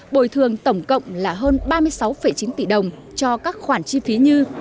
bồi thường tổng cộng là hơn ba mươi sáu chín tỷ đồng cho các khoản chi phí như